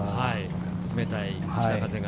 冷たい北風が。